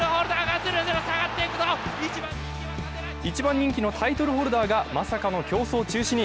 １番人気のタイトルホルダーがまさかの競走中止に。